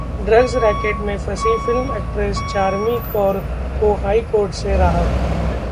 drugs racket में फंसी film actress Charmi Kaur को हाई कोर्ट से राहत